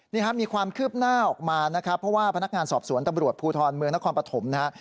นี่ครับมีความคืบหน้าออกมานะครับเพราะว่าพนักงานสอบสวนตำรวจภูทรเมืองนครปฐมนะฮะ